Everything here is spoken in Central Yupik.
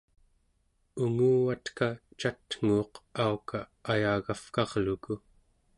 unguvatka catnguuq auka ayagavkarluku